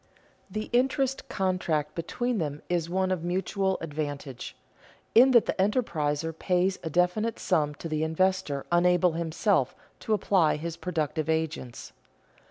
The interest contract between them is one of mutual advantage, in that the enterpriser pays a definite sum to the investor unable himself to apply his productive agents.